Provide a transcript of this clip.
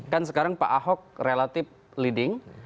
kan sekarang pak ahok relatif leading